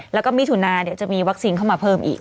แล้วก็มิถุนาเดี๋ยวจะมีวัคซีนเข้ามาเพิ่มอีก